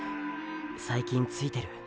“最近ついてる”